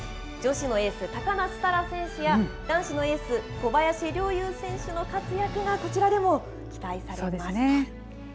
女子のエース、高梨沙羅選手や男子のエース、小林陵侑選手の活躍がこちらでも期待されます。